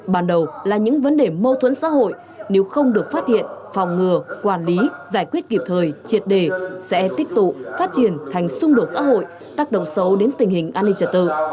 ban đầu là những vấn đề mâu thuẫn xã hội nếu không được phát hiện phòng ngừa quản lý giải quyết kịp thời triệt đề sẽ tích tụ phát triển thành xung đột xã hội tác động sâu đến tình hình an ninh trật tự